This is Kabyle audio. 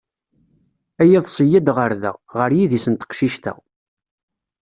A yiḍes yya-d ɣar da, ɣar yidis n teqcict-a.